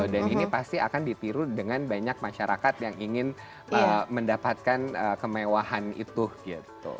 dan ini pasti akan ditiru dengan banyak masyarakat yang ingin mendapatkan kemewahan itu gitu